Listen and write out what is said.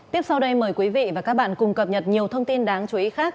tiếp sau đây mời quý vị và các bạn cùng cập nhật nhiều thông tin đáng chú ý khác